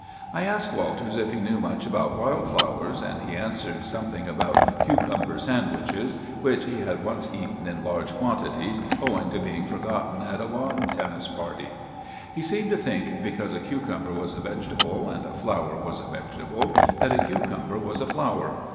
I asked Walters if he knew much about wild flowers, and he answered something about cucumber sandwiches, which he had once eaten in large quantities owing to being forgotten at a lawn tennis party. He seemed to think because a cucumber was a vegetable, and a flower was a vegetable, that a cucumber was a flower.